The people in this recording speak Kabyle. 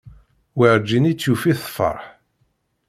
Werǧin i tt-yufi tefreḥ.